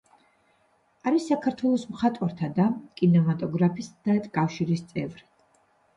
არის საქართველოს მხატვართა და კინემატოგრაფისტთა კავშირის წევრი.